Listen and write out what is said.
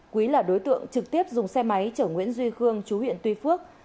quý là đối tượng trực tiếp dùng xe máy chở nguyễn duy khương chú huyện tuy phước